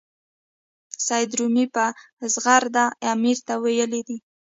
سید رومي په زغرده امیر ته ویلي دي.